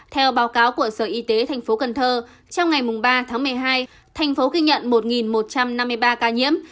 theo báo cáo của sở y tế thành phố cần thơ trong ngày ba tháng một mươi hai thành phố ghi nhận một một trăm năm mươi ba ca nhiễm